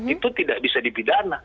itu tidak bisa dipidana